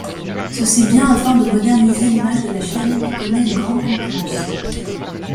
Ceci vient afin de moderniser l'image de la chaîne qui connait une grande concurrence.